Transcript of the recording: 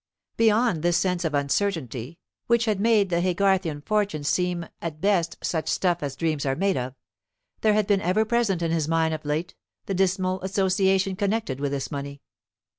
Beyond this sense of uncertainty, which had made the Haygarthian fortune seem at best such "stuff as dreams are made of," there had been ever present in his mind of late the dismal association connected with this money.